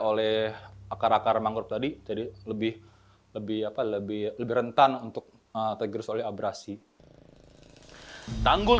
oleh akar akar mangrove tadi jadi lebih lebih apa lebih lebih rentan untuk tergerus oleh abrasi tanggul